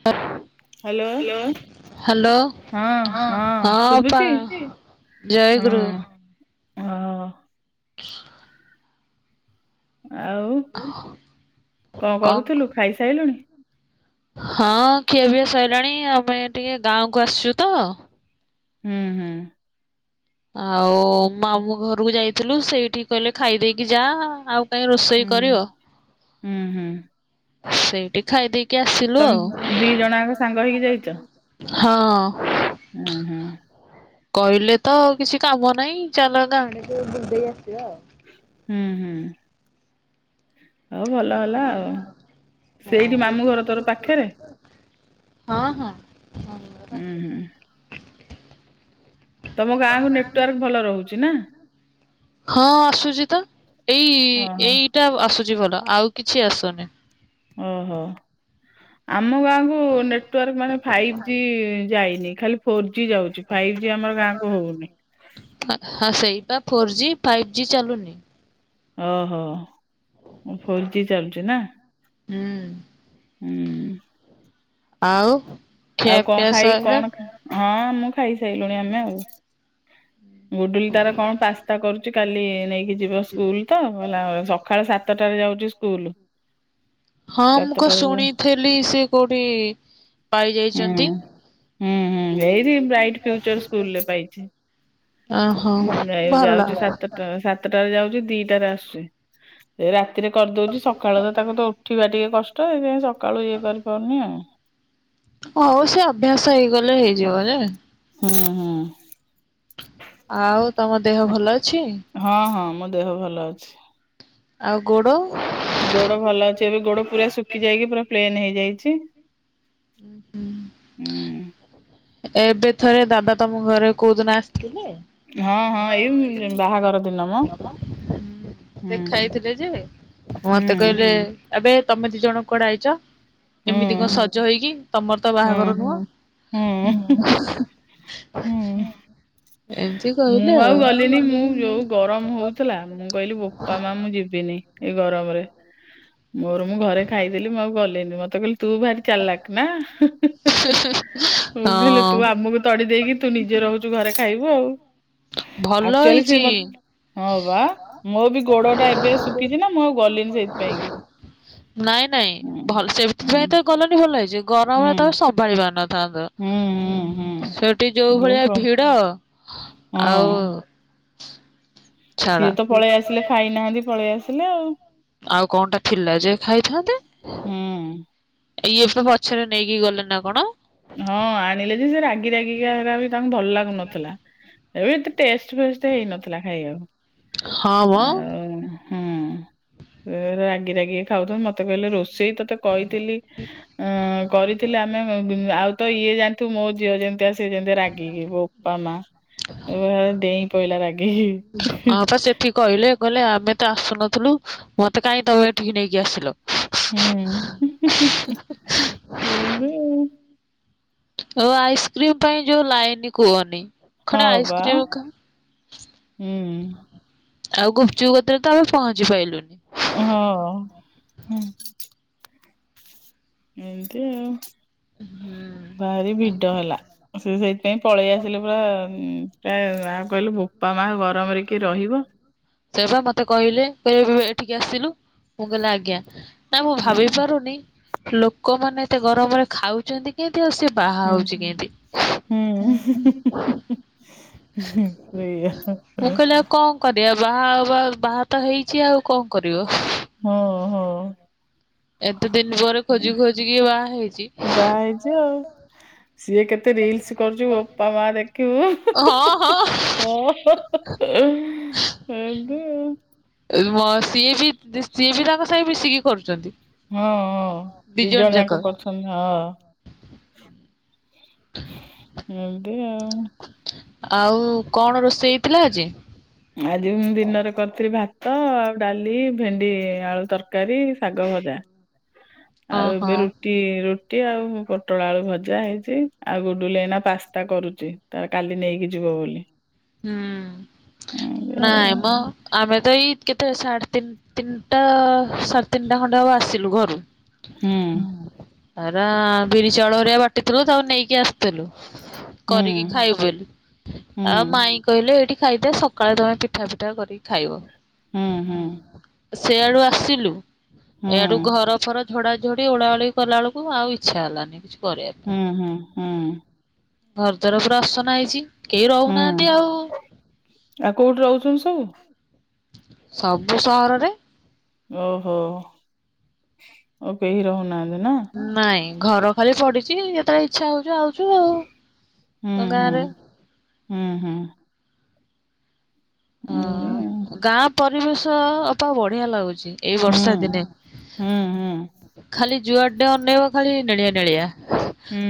[unintelligible] Hello hello ହଁ ହଁ ଅପା। ଜୟ ଗୁରୁ। ହଁ। [unintelligible] ଆଉ କଣ କରୁଥିଲୁ ଖାଇସାରିଲୁଣି? ହଁ ଖିଆ ପିଆ ସରିଲଣି ଆମେ ଟିକେ ଗାଁକୁ ଆସିଛୁ ତ। ହୁଁ ହୁଁ। ଆଉ ମାମୁ ଘରକୁ ଯାଇଥିଲୁ ସେଇଠିକି କହିଲେ ଖାଇଦେଇକି ଯା ଆଉ। କାହିଁ ରୋଷେଇ ହୁଁ କରିବ ହୁଁ ହୁଁ। ସେଇଠି ଖାଇ ଦେଇେଇକି ଆସିଲୁ ତମେ ଦି ଜଣଆଙ୍କ ଆଉ। ସାଙ୍ଗ ହେଇକି ଯାଇଛ ହଁ। ହୁଁ ହୁଁ। କହିଲେ ତ କିଛି କାମ ନାହିଁ ଚାଲ [inaudible] ଆସିବା ଆଉ। ହୁଁ ହୁଁ। ହଉ ଭଲ ହେଲା। ଆଉ ସେଇଠି ମାମୁଁ ଘର ତୋର ପାଖରେ? ହଁ ହଁ ହ। ହୁଁ ହୁଁ। କାହାକୁ ନେଟୱାର୍କ ଭଲ ରହୁଚି ନା? ହଁ ଆସୁଚି ତ ଏଇ ଓହୋ ଏଇ ଟା ଆସୁଚି ଭଲ ଆଉ କିଛି ଆସୁନି। ଓହୋ। ଆମ ଗାଁକୁ ନେଟୱାର୍କ ମାନେ ଫାଇଭ୍ ଜି ଯାଇନି ଖାଲି ଫୋର୍ ଜି ଯାଉଚି। ହଁ ସେଇଟା ଫୋର ଜି ଫାଇଭ୍ ଜି ଚାଲୁନି। ଓହୋ ମୁଁ ଫୋର୍ ଜି ଚାଲୁଚି ନା? ହୁଁ। ହୁଁ। ଆଉ? ଆଉ କଣ ଖିଆପିଆ ଖାଇ ସଇଲା? କଣ ହଁ ମୁଁ ଖାଇ ସାରିଲୁଣି ଆମେ ଆଉ। ଗୁଡୁଲି ତାର କଣ ପାସ୍ତା କରୁଚି କାଲି ନେଇକି ଯିବ ସ୍କୁଲ ତ। ଲା ସକାଳ ସାତଟାରେ ଯାଉଚି ସ୍କୁଲ। ହଁ ମୁଁ କ ସାତଟାରେ ଯା ଶୁଣିଥିଲି ସେ କୋଉଠି ହୁଁ ପାଇଯାଇଛନ୍ତି। ହୁଁ ହୁଁ ଏଇଠି ବ୍ରାଇଟ ଫ୍ୟୁଚର ସ୍କୁଲ ରେ ପାଇଚି। ଓହୋ ହୁଁ ଏଇ ଭଲ। ଯାଉଚି ସାତ ଟଙ୍କା ସାତ ସାତଟାରେ ଯାଉଚି ଦିଟାରେ ଆସୁଚି। ରାତିରେ କରିଦଉଚି ସକାଳ ତ ତାକୁ ତ ଉଠ ପିବା ଟିକେ କଷ୍ଟ ସେଇଥିପାଇଁ ସକାଳୁ ଇଏ କରିପାରୁନି ଆଉ। ହଉ ସେ ଅଭ୍ୟାସ ହେଇଗଲେ ହେଇଯିବ ଯେ। ହୁଁ ହୁଁ। ଆଉ ତମ ଦେହ ଭଲ ଅଛି? ହଁ ହଁ ମୋ ଦେହ ଭଲ ଅଛି। ଆଉ ଗୋଡ? ଗୋଡ ଭଲ ଅଛି। ଏବେ ଗୋଡ ପୁରା ଶୁଖି ଯାଇକି ପୁରା ପ୍ଲେନ ହେଇଯାଇଚି। ହୁଁ। ହୁଁ ଏବେ ଥରେ ଦାଦା ତମ ଘରେ କୋଉଦିନ ଆସିଥିଲେ? ହଁ ହଁ ଏଇ ବାହାଘର ଦିନ ମ ହ ହୁଁ ଦେଖାଇଥିଲେ ଯେ ହୁଁ ମତେ କହିଲେ ଆବେ ତମେ ଦି ଜଣ କୁଆଡେ ଆଇଚ? ହୁଁ ଏମିତି କଣ ସଜ ଜ ହେଇକି ତମର ତ ହୁଁ ବାହାଘର ହୁଁ ନୁହଁ। ହୁଁ ଏମିତି ମୁଁ କହିଲେ ଆଉ ଗଲିନି। ମୁଁ ଯୋଉ ଗରମ ହଉଥିଲା, ମୁଁ କହିଲି ବୋପା ମା ମୁଁ ଯିବିନି। ଏଇ ଗରମରେ। ମୋର ମୁଁ ଘରେ ଖାଇଦେଲି। ମୁଁ ଆଉ ଗଲିନି ମତେ କହିଲ ତୁ ଭାରି ଚାଲକ ନା? ତୁ ବି ହେଲେ ହଁ। ତୁ ଆମକୁ ତଡି ଦେଇକି ତୁ ନିଜେ ରହୁଚୁ ଘରେ। ଖାଇବୁ ଆଉ। ଭଲ ଆକ୍ଚୁଆଲି ସିଏ ହେଇଛି। ମତ ହଁ ବା। ମୋ ବି ଗୋଡ ଟା ଏବେ ଶୁଖିଚି ନା ମୁଁ ଆଉ ଗଲିନି ସେଇଥିପାଇଁ କି। ନାଇଁ ନାଇଁ ହୁଁ ଭଲ ହୁଁ ସେଥିପାଇଁ ତ ଗଲଣନି ଭଲ ହେଇଚି ଗରମ ରେ ହୁଁ ତାକୁ ସମ୍ଭାଳି ପାରିନ ଥାନ୍ତ। ହୁଁ ହୁଁ ହୁଁ ସେଠି ଯୋଉ ଭଳିଆ ଭିଡ ଆଉ ହଁ ଛାଡ ସିଏ ତ ପଳେଇ ଆସିଲେ ଖାଇନାହାନ୍ତି ପଳେଇ ଆସିଲେ ଆଉ। ଆଉ କଣଟା ଥିଲା ଯେ ଖାଇଥାନ୍ତେ। ହୁଁ ଆ ଇଏ ପା ପଛରେ ନେଇକି ଗଲେ ନା କଣ। ହଁ ଆଣିଲେ ଯେ ସେ ରାଗି ରାଗିକା ହେରା ବି ତାଙ୍କୁ ଭଲ ଲାଗୁନଥିଲା ଏଇ ଏତେ ଟେଷ୍ଟ ଫେଷ୍ଟ ହେଇନଥିଲା ଖାଇବାକୁ ହଁ ମ ଆଉ ହଁ ରାଗି ରାଗି ଖାଉଚନ୍ତି ମତେ କହିଲେ ରୋଷେଇ ତତେ କହିଥିଲି ଅଁ କରିଥିଲେ ଆମେ ଆଉ ତ ଇଏ ଜାଣିଥିବୁ ମୋ ଝିଅ ଯେମିତି ସିଏ ଯେମିତି ରାଗି ବୋ ବୋପା ଓ ଡେଇଁ ପଇଲା ହଁ ରାଗିକି। ପା ସେଠି କହିଲେ କହିଲେ ଆମେ ତ ଆସୁନଥିଲୁ ମତେ କାଇଁ ତମେ ଏଠିକି ନେଇକି ଆସିଲ? ହୁଁ ହଁ ତ ଆଉ। ଓ ଆଇସ୍କ୍ରିମ୍ ପାଇଁ ଯୋଉ ଲାଇନି କୁହନି। ହଁ ଖଣ୍ଡେ ପା ଆଇସ୍କ୍ରିମ ଉଁ। ଆଉ ଗୁପଚୁପ କତିରେ ତ ଆମେ ପହଞ୍ଚି ପାଇଲୁନି। ଓ ହଁଅ। ଏମତି ହୁଁ ଭାରି ଭିଡ ହେଲା ଆ ସେ ସେଇ ସେଥିପାଇଁ ପଳେଇ ଆସିଲେ ପା ଉଁ ପୁରା ଆଉ କହିଲେ ବୋପା ମାଆ ଗ ଗରମରେ କିଏ ରହିବ। ସେ ପା ମତେ କହିଲେ କହିଲେ ଏଠିକି ଆସିଲୁ ମୁଁ କହିଲି ଆଜ୍ଞା। ନା ମୁଁ ଭାବିପାରୁନି ଲୋକମାନେ ଏତେ ଗରମରେ ଖାଉଚନ୍ତି କେମତି ଆଉ ସିଏ ହୁଁ ବାହାହୋଉଚି କେମତି। ହୁଁ ସେଇୟା ପା। ମୁଁ କହିଲି ଆଉ କଣ କରିବା ବାହା ହବା ବାହା ତ ହେଇଚି ଆଉ କଣ କରିବ। ହଁ ହଁ। ଏତେ ଦିନ ପରେ ଖୋଜି ଖୋଜିିକି ବାହାହେଇଚି। ଆ ସିଏ କେତେ ରିଲିସ୍ କରୁଚି ବୋପା ମାଆ ଦେଖିବୁ। ହଁ ହଁ ଓ ହୋ ହୋ ଏମତି ଆଉ। ଉ ମ ସିଏ ବି ସିଏ ବି ତାଙ୍କ ସାଙ୍ଗେ ମିଶିକି କରୁଚନ୍ତି। ହଁଁଅଁ ଦିଜଣ ଯାକ କରୁ ଚନ୍ତି ହଁ ଏମତି ଆଉ। ଆଉ କଣ ରୋଷେଇ ହେଇଥିଲା ଆଜି। ଆଜି ମୁଁ ଦିନରେ କରିଥିଲି ଭାତ ଆଉ ଡାଲି, ଭେଣ୍ଡି ଆଳୁ ତରକାରୀ, ଶାଗ ଭଜା। ଆଉ ଓହୋ ଏବେ ରୁ ଟି ରୁଟି ଆଉ ପୋଟଳ ଆଳୁ ଭଜା ହେଇଚି ଆଉ ଗୁଡୁଲି ଏଇନା ପାସ୍ତା କରୁଚି। ତାର କାଲି ନେଇକି ଯିବ ବୋଲି। ଏମିତି ହୁଁ ଆଉ ନାଇମ। ଆମେ ତ ଏଇ କେତେ ସାଢେ ତିନ ତିନଟା ସାଢେ ତିନଟା ଖଣ୍ଡେ ହବ ଆସିଲୁ ଘରୁ। ହୁଁ ହେରା ବିରି ଚାଉଳ ହରିକା ବାଟିଥିଲୁ ତାକୁ ନେଇକି ଆସିଥିଲୁ। ହୁଁ। କରିକି ଖାଇବୁ ବୋଲି। ହୁଁ ଆଉ ମାଇଁ କହିଲେ ଏଇଠି ଖାଇଦେ ସକାଳେ ତମେ ପିଠା ପିଠା କରିକି ଖାଇବ। ହୁଁ ହୁଁ। ସେଆଡୁ ଆସିଲୁ ହୁଁ ଏଇଆଡୁ ଘର ଫର ଝଡାଝଡି ଓଳାଓଳି କଲାବେଳକୁ ଆଉ ଇଚ୍ଛା ହେଲାନି କିଛି କରିବା ହୁଁ ପାଇଁ। ହୁଁ ହୁଁ। ଘର ଦ୍ୱାର ପୁରା ଆସନା ହେଇଚି କେହି ରହୁନାହାନ୍ ହୁଁ ନ୍ତି ଆଉ ଆଉ କୋଉଠି ରହୁଛନ୍ତି ସବୁ? ସବୁ ସହରରେ। ଓହୋ ଆଉ କେହି ରହୁନାହାନ୍ତି ନା। ନାଇଁ ଘର ଖାଲି ପଡିଚି ଯେତେବେଳେ ଇଚ୍ଛା ହୋଉଚୁ ଆଉଚୁ ହୁଁ ଆଉ ହୁଁ ଗାଁରେ ହୁଁ ହୁଁ। ଆ ଏମିତି ଆଉ ଗାଁ ପରିବେଶ ଅପା ବଢିଆ ଲାଗୁଚି। ଏଇ ହୁଁ ବର୍ଷା ଦିନେ ହୁଁ ହୁଁ ଖାଲି ଯୁଆଡେ ଅନେଇବ ଖାଲି ନେଳିଆ ନେଳିଆ। ହୁଁ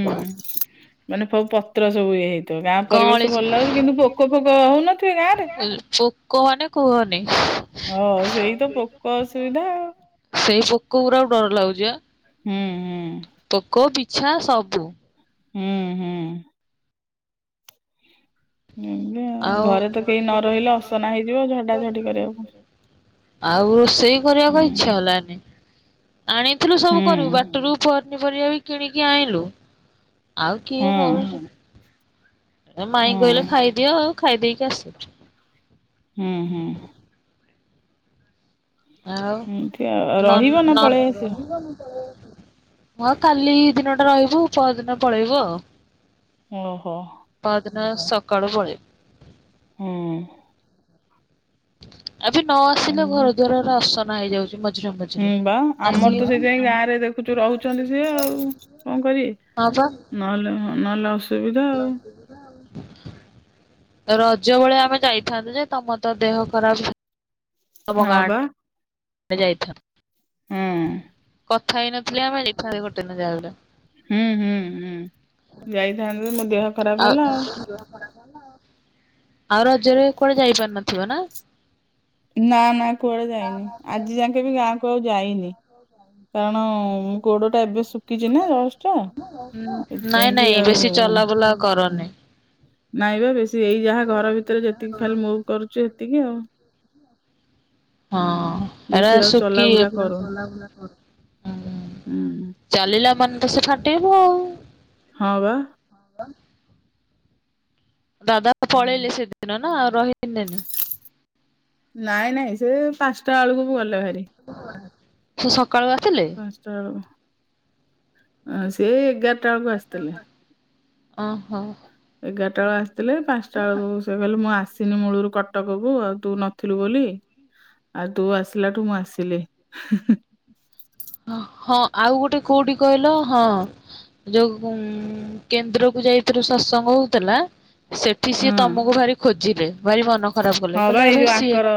ମାନେ ସବୁ ପତ୍ର ସବୁ ଇଏ ହେଇ ତ ଗାଁ କଅଁଳି ପରିବେଶ ଭଲ ଲାଗୁଚି କିନ୍ତୁ ପୋକ ଫୋକ ହୋଉନଥିବେ ଗାଁରେ ହୁଁ ପୋକ ମାନେ କୁହନି ହଁ ସେଇ ତ ପୋକ ଅସୁବିଧା ଆଉ ସେଇ ପୋକ ଗୁରାକୁ ଡର ଲାଗୁଚି ବା। ହୁଁଁ ହୁଁ। ପୋକ ବିିଛା ସବୁ ହୁଁ ହୁଁ। ହୁଁ। ଆଉ ଘରେ ତ କେହି ନ ରହିଲେ ଅସନା ଝଡା ହେଇଯିବ ଝଡି [unintelligible] କରିବାକୁ ଭିତରେ। ଆଉ ରୋଷେଇ କରିବାକୁ ଆଉ ଇଚ୍ଛା ହୁଁ। ହେଲାନି। ଆଣିଥିଲୁ ସବୁ ହୁଁ କରିବୁ ବାଟୁରୁ ପନିପରିବା ବି କିଣିକି ଆଇଁଲୁ ଆଉ ହଁ କିଏ କରୁଚି। ଏ ମାଇଁ ହଁ କହିଲେ ଖାଇଦିଅ ଆଉ ଖାଇ ଦେଇକି ଆସିଲୁ। ହୁଁ ହୁଁ। ଆଉ ଏମିତି ଆଉ ଆଉ ରହିବ ନା ନନ ପଳେଇ ଆସିବ ହଁ କାଲି ଦିନଟା ରହିବୁ ପରଦିନ ପଳେଇବୁ ଆଉ। ଓହୋ। ପରଦିନ ସକାଳୁ ପଳେଇବୁ। ହୁଁ। ଆଜି ନ ଆସିଲେ ଏମିତି। ଘର ଦୁଆରରା ଅସନା ହେଇଯାଉଚି। ମା ହୁଁ ବା ଆମର ତ ସେଇଥିପାଇଁ ଗାଁ ରେ ଦେଖୁଛୁ ରହୁଛନ୍ତି ସିଏ [unintelligible] ହଁ ପା। ନହଲେ ନ [unintelligible] ହେଲେ ଆସିବି। ରଜ ବଳେ ଆମେ ଯାଇଥାନ୍ତୁ ଯେ ତମର ତ ଦେହ ଖରାପ। ତମ ଆଉ ହଁ ବା ଗାଁଆଡେ ଏ ଯାଇଥାନ୍ତୁ। ହୁଁ। କଥା ହେଇନଥିଲେ ଆମେ ଲେଖାରେ ଗୋଟେଦିନ ଯାଉନା। ହୁଁ ହୁଁ ହୁଁ ଯାଇଥାନ୍ତେ ଯେ ମୋ ଦେହ ଖରାପ ହେଲା ଆଉ। ଦେହ ଖରାପ୍। ଆଉ ରଜରେ କୁଆଡେ ଯାଇପାରି ନଥିବ ନା? ନା ନା କୁଆଡେ ଯାଇନି ଆଜି ଯାକେ ବି ଗାଁକୁ ଆଉ ଯାଇନି। କାରଣ ହୁଁ ଗୋଡ ଟା ଏବେ ଶୁଖିଚି ନା ଜଷ୍ଟ। ନାଇଁ ସେଥିପାଇଁ କି ନାଇଁ ଆଉ ବେଶୀ ଚଲାବୁଲା କରନି। ନାଇଁ ବା ବେଶୀ ଏଇ ଯାହା ଘର ଭିତରେ ଯେତିକି ଖାଲି ମୁଭ୍ କରୁଚୁ ହେତିକି ଆଉ। ହୁଁ ହଁ ଏରା ବେଶୀ ଆଉ ଶୁକି ଚଲାବୁଲା କରନି। ହୁଁ। ଚାଲିଲା ମାନେ ତ ସେ ଫାଟେଇବ ଆଉ। ହଁ ବା। ହଁ ପା ଦାଦା ପଳେଇଲେ ସେଦିନ ନା ରହିିଲେନି? ନାଇଁ ନାଇଁ ସେ ପାଞ୍ଚଟା ବଳୁକୁ ଗଲେଭାରି। ସେ ସକାଳୁ ଆସିଥିଲେ? ପାଞ୍ଚଟା ବେଳୁକୁ ଆଁ ସେ ଏଇ ଏଗାର ଏଗାର ଟା ବେଳକୁ ଆସିଥିଲେ, ଅହ। ଏଗାରଟା ବେଳେ ଆସିଥିଲେ ପାଞ୍ଚଟା ବେଳୁକୁ ସେ କହିଲେ ମୁଁ ଆସି ସିନି ମୂଳୁରୁ କଟକକୁ ଆଉ ତୁ ନଥିଲୁ ବୋଲି। ଆଉ ତୁ ଆସିଲାଠୁ ମୁଁ ଆସିଲି। ହଁ ଆଉ ଗୋଟେ କୋଉଠି କହିଲ ହଁ। ଯୋଉ ଉଁ କେନ୍ଦ୍ରକୁ ଯାଇଥିରୁ ସତସଙ୍ଗ ହଉଥେଲା ସେଠି ହଁ ସିଏ ତମକୁ ଭାରି ଖୋଜିଲେ, ଭାରି ମନ ଖରାପ କଲେ, ହଁ ବା କହିଲେ ଏଇ ଆବେ ଯୋଉ ସିଏ ଆଙ୍କର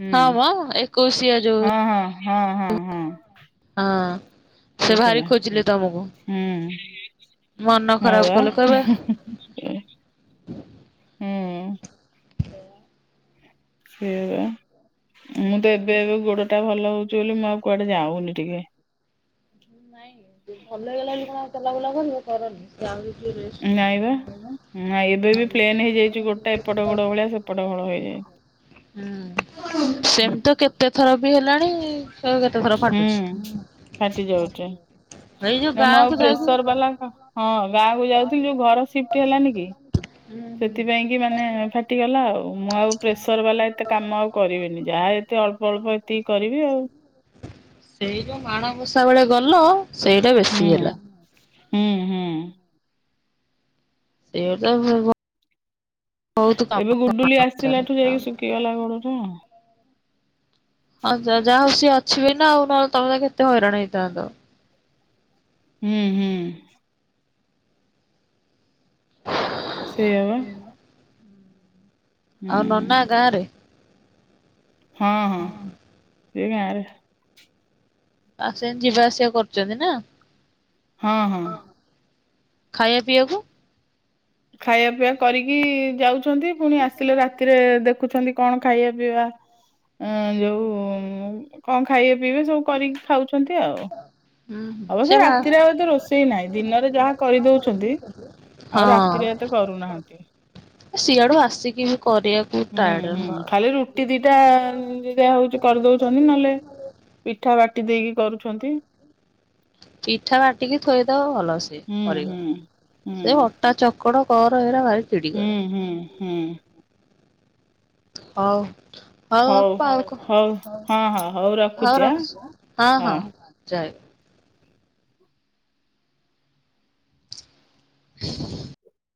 ହୁଁ ହଁ ମ ଏକୋଇଶିଆ ଯୋଉ ହଁ ହଁ ହଁ, ହଁ, ହଁ। ହଁ। ସେ ଭାରି ହେଇଥିଲା ଖୋଜିଲେ ତମକୁ, ହୁଁ ମନ ହଁ ଖରାପ ବା କଲେ, କହିବା ହୁଁ। ସେଇ ବା ମୁଁ ତ ଏବେ ଏବେ ଗୋଡଟା ଭଲ ହଉଛି ବୋଲି ମୁଁ ଆଉ କୁଆଡେ ଯାଉନି ଟିକେ। ନାଇଁ ଏବେ ଭଲ ହେଇଗଲା ବୋଲି କଣ ଆଉ ତଲା ବୁଲା କରିବ କରନି ସେ ଆହୁରି ଟିକେ ରେଷ୍ଟ ନଉମ। ନାଁ ଏବେ ବି ପ୍ଲେନ୍ ହେଇଯାଇଛି ଗୋଡ ଟା ଏପଟ ଗୋଡ ଭଳିଆ ସେପଟ ଘଳ ହେଇଯାଇଛି। ହୁଁ, ସେମି ତ କେତେ ଥର ବି ହେଲାଣି କେତେ ଥର ଫାଟୁଛି। ହୁଁ ଫାଟି ଯାଉଛେ, ଏଇ ଯୋଉ ନାଇ ମୁଁ ଆଉ ଗାଁକୁ ଯାଇକି ହୁଁ ପ୍ରେସର ବାଲା ହଁ ଗାଁକୁୁ ଯାଉଥିଲି ଯୋଉ ଘର ସିପ୍ଟି ହେଲାନି କି? ହୁଁ ସେଥିପାଇଁ କି ମାନେ ଫାଟିଗଲା ଆଉ, ମୁଁ ଆଉ ପ୍ରେସର ବାଲା ଏତେ କାମ ଆଉ କରିବିନି, ଯାହା ଏ [unintelligible] ଏତେ ଅଳ୍ପ ଅଳ୍ପ ଏତିକି କରିବି ଆଉ। ସେଇ ଯୋଉ ମାଣ ବଷା ବେଳେ ଗଲ ସେଇଟା ବେଶୀ ହୁଁ, ହେଲା। ହୁଁ, ହୁଁ। ସେଅଟା ଭଲ ଭ ଏବେ ଗୁଡୁଲି ସାରେ ଆସିଲାଠୁ ଯାଇକି ଶୁଖିଗଲା ଗୋଡଟା ଆଉ। ହଁ ଯ ଯାହା ହଉ ଅଛିି ବି ନା ଆଉ ନହେଲେ ତମେ କେତେ ହଇରାଣ ହେଇଥାନ୍ତ। ହୁଁ, ହୁଁ। ହଁ [inaudible] ସେୟା ବା। ହୁଁ ଆଉ ନନା ଗାଁ ରେ? ହଁ, ହଁ ସେ ଗାଁ ରେ। ଆ ସେମ୍ ଯିବା ଆସିବା କରୁଛନ୍ତି ନା? ହଁ, ହଁ। ଖାଇବା ପିଇବାକୁ ଖାଇବା ପିଇଆ କରିକି ଯାଉଛନ୍ତି ପୁଣି ଆସିଲେ ରାତିରେ ଦେଖୁଛନ୍ତି କଣ ଖାଇବା ପିଇବା ଯୋଉ କଣ ଖାଇବେ ପିଇବେ ସବୁ କରିକି ଖାଉଛନ୍ତି ଆଉ। ହୁଁ ହୁଁ ସେ ଅବଶ୍ୟ ଭା ରାତିରେ ଆଉ ତ ରୋଷେଇ ନାହିଁ, ଦିନରେ ଯାହା କରିଦଉଛନ୍ତି। ଆଉ ରାତିରେ ଏତେ ହଁ। କରୁନାହାନ୍ତି। ସିଆଡୁ ଆସିକି ବି କରିବାକୁ ହୁଁ, ଟାୟାର୍ଡ ହୁଁ ଖାଲି ରୁ ରୁଟି ଦିଟା ଯାହା ହଉଛି କରିଦଉଛନ୍ତି, ନହେଲେ ପିଠା ବାଟି ଦେଇକି କରୁଛନ୍ତି। ପିଠା ବାଟିକି ଥୋଇଦବ ଭଲ ସିଏ ହୁଁ କରିବ। ହୁଁ। ହୁଁ ସେ ଅଟା ଚକଡ କର ଏରା ଭାରି ଚିଡି ହୁଁ କରେ ହୁଁ ହୁଁ। ହଉ ହଉ ଆପା ଆଉ କଁ ହଉ ହଁ ହଁ ହଉ ଆଁ ରଖୁଛି ହଁ ହଁ ଯା। ହ [inaudible]